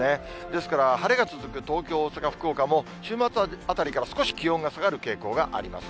ですから、晴れが続く東京、大阪、福岡も、週末あたりから少し気温が下がる傾向があります。